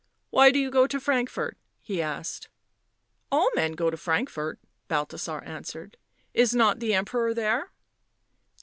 " Why do you go to Frankfort?" he asked. t( All men go to Frankfort," Balthasar answered. " Is not the Emperor there